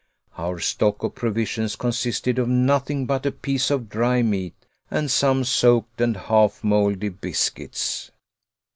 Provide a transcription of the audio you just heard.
Our stock of provisions consisted of nothing but a piece of dry meat and some soaked and half moldy biscuits.